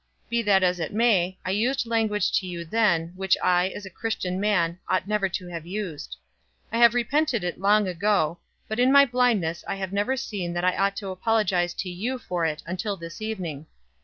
Be that as it may, I used language to you then, which I, as a Christian man, ought never to have used. I have repented it long ago, but in my blindness I have never seen that I ought to apologize to you for it until this evening.